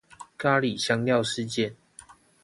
咖哩香料事件